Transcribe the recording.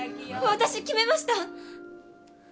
私決めました！